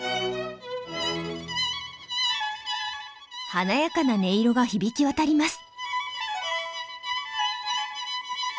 華やかな音色が響き渡ります。